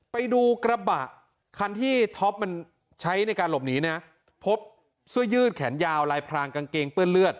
ไปดูกระบะคันที่ท็อปมันใช้ในการหลบหนีนะพบเสื้อยืดแขนยาวลายพรางกางเกงเปื้อนเลือด